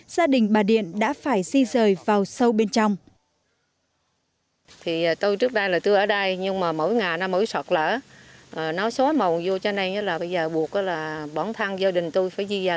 gia đình bà điện đã phải di rời vào sâu bên trong